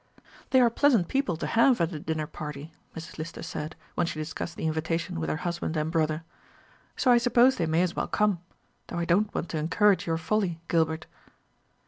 "They are pleasant people to have at a dinner party," Mrs. Lister said, when she discussed the invitation with her husband and brother; "so I suppose they may as well come, though I don't want to encourage your folly, Gilbert."